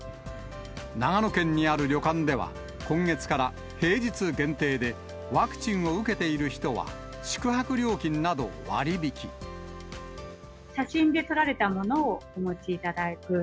長野県にある旅館では、今月から平日限定で、ワクチンを受けている人は、写真で撮られたものをお持ちいただく。